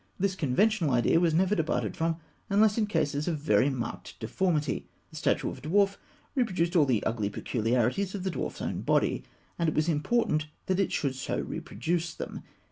This conventional idea was never departed from, unless in cases of very marked deformity. The statue of a dwarf reproduced all the ugly peculiarities of the dwarf's own body; and it was important that it should so reproduce them.